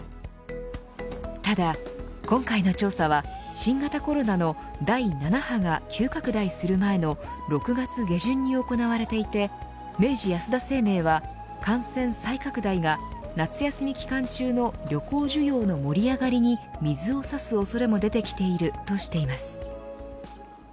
ただ、今回の調査は新型コロナの第７波が急拡大する前の６月下旬に行われていて明治安田生命は感染再拡大が夏休み期間中の旅行需要の盛り上がりに水を差す恐れも出てきているとしています